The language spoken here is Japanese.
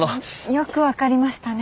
よく分かりましたね。